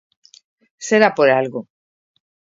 ¡Será por algo!